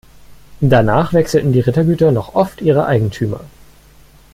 Danach wechselten die Rittergüter noch oft ihre Eigentümer.